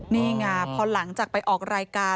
นี่ไงพอหลังจากไปออกรายการ